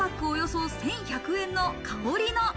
およそ１１００円のかおり野。